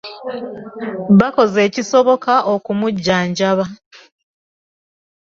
Bakoze ekisoboka okumujanjaba .